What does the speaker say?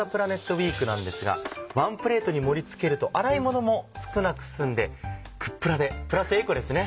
ウィークなんですがワンプレートに盛り付けると洗い物も少なく済んでグップラでプラスエコですね。